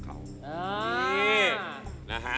เกิดวันเสาร์ครับ